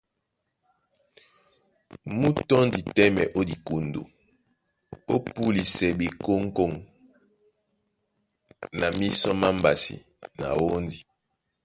Mú tɔ́ndi tɛ́mɛ ó dikundu, ó púlisɛ ɓekɔ́ŋkɔ́ŋ na mísɔ má mbasi na wóndi.